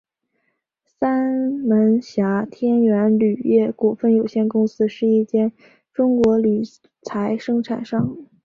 三门峡天元铝业股份有限公司是一间中国铝材生产商。